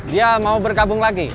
dia mau berkabung lagi